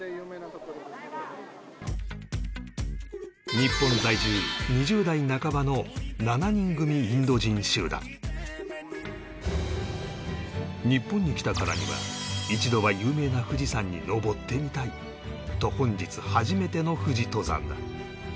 日本在住２０代半ばの７人組インド人集団日本に来たからには一度は有名な富士山に登ってみたいと本日初めての富士登山だ